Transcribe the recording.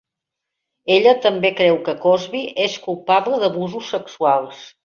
Ella també creu que Cosby és culpable d"abusos sexuals.